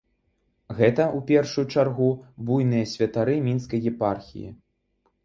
Гэта, у першую чаргу, буйныя святары мінскай епархіі.